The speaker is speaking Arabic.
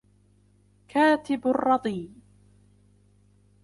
كَاتِب الرَّضِيِّ